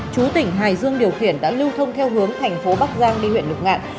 chú tỉnh hải dương điều khiển đã lưu thông theo hướng thành phố bắc giang đi huyện lục ngạn